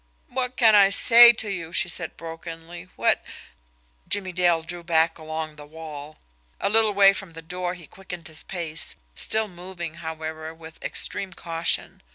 "What can I say to you!" she said brokenly, "What " Jimmie Dale drew back along the wall. A little way from the door he quickened his pace, still moving, however, with extreme caution.